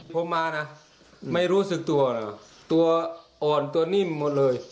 พอมานะไม่รู้สึกตัวเหรอตัวอ่อนตัวนิ่มหมดเลย